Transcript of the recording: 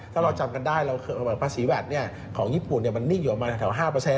ถ้าเราจำกันได้ภาษีแวดของญี่ปุ่นมันนิ่งอยู่ออกมาแถว๕